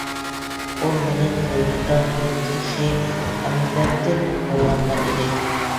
ئۇ مېنىڭ قوينۇمدا تۇرۇپ تېخى ئەمدىلەتىن ئويغانغان ئىدى.